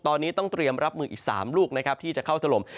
ตอนนี้ต้องเตรียมรับมืออีก๓ลูกนะครับที่จะเข้าถล่ม